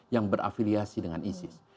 yang berafiliasi dengan isis